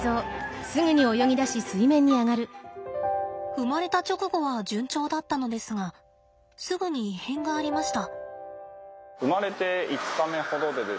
生まれた直後は順調だったのですがすぐに異変がありました。